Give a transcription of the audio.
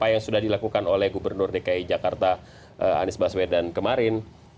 apa yang sudah dilakukan oleh gubernur dki jakarta anies baswedan kemarin